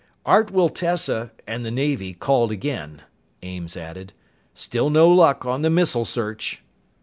"Art Wiltessa and the Navy called again," Ames added. "Still no luck on the missile search."